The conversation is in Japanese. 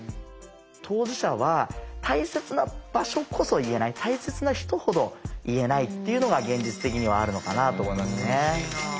当事者は大切な場所こそ言えない大切な人ほど言えないっていうのが現実的にはあるのかなと思いますね。